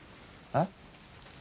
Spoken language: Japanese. えっ？